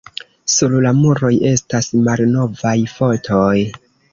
Sur la muroj estas malnovaj fotoj.